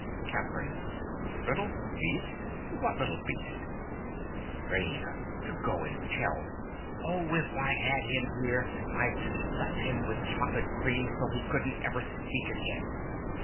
CATHERINE. Little beast! What little beast? RAINA. To go and tell! Oh, if I had him here, I'd stuff him with chocolate creams till he couldn't ever speak again!